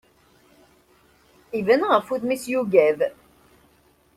Iban ɣef wudem-is yugad.